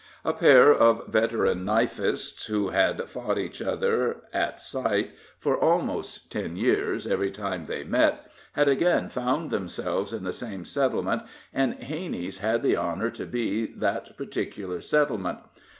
A pair of veteran knifeists, who had fought each other at sight for almost ten years every time they met, had again found themselves in the same settlement, and Hanney's had the honor to be that particular settlement.